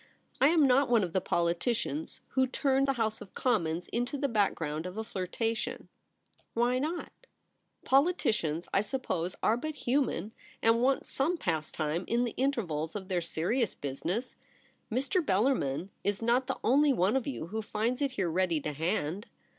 I am not one of the politicians who turn the House of Commons into the background of a flirtation.' ON THE TERRACE. 47 * Why not ? Politicians, I suppose, are but human, and want some pastime in the intervals of their serious business. Mr. Bellarmin is not the only one of you who finds it here ready to hand.'